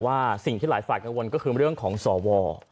สิ่งที่หลายฝ่ายกังวลก็คือเรื่องของสว